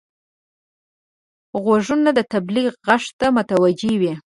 غوږونه د تبلیغ غږ ته متوجه وي